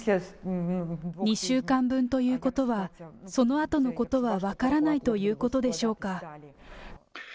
２週間分ということは、そのあとのことは分からないということでしょうか。